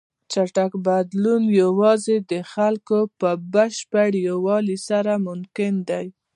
چټک بدلون یوازې د خلکو په بشپړ یووالي سره ممکن دی.